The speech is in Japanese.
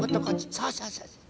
そうそうそうそう。